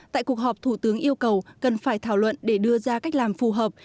tại cuộc họp thủ tướng yêu cầu cần phải thảo luận để đưa ra cách làm phù hợp